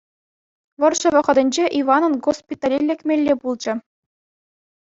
Вӑрҫӑ вӑхӑтӗнче Иванӑн госпитале лекмелле пулчӗ.